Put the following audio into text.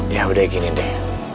ya udah gini deh